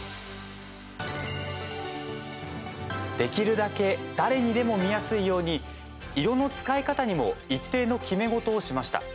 できるだけ誰にでも見やすいように色の使い方にも一定の決め事をしました。